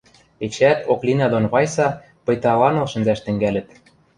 Эчеӓт Оклина дон Вайса пыйталаныл шӹнзӓш тӹнгӓлӹт.